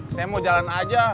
saya mau jalan aja